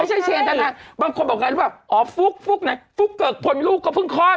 ไม่ใช่เชนธนาบางคนบอกว่าอ๋อฟุกฟุกไหนฟุกเกิดคนลูกก็เพิ่งคลอด